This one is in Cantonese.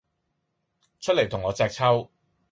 出黎同我隻揪!